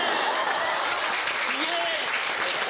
イエイ！